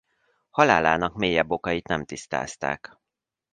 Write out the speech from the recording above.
Halálának mélyebb okait nem tisztázták.